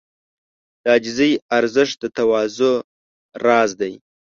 د عاجزۍ ارزښت د تواضع راز دی.